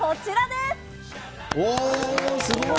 すごい。